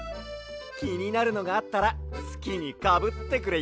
きになるのがあったらすきにかぶってくれＹＯ！